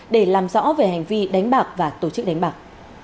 để làm rõ về hành vi đánh bạc và tổ chức đánh bạc